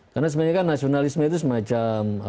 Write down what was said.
karena sebenarnya kan nasionalisme itu semacam apa ya